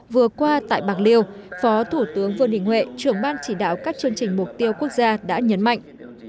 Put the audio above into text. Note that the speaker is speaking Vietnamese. vừa qua tại bạc liêu phó thủ tướng vương đình huệ trưởng ban chỉ đạo các chương trình mục tiêu quốc gia đã nhấn mạnh